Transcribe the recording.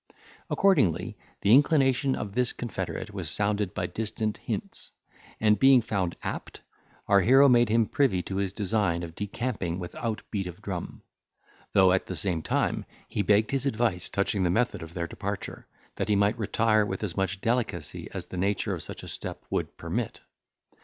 Accordingly, the inclination of this confederate was sounded by distant hints, and being found apt, our hero made him privy to his design of decamping without beat of drum; though, at the same time, he begged his advice touching the method of their departure, that he might retire with as much delicacy as the nature of such a step would permit.